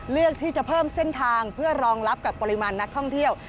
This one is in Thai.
เลือกที่จะเพิ่มเส้นทางเพื่อรองรับกับปริมาณนักท่องเที่ยว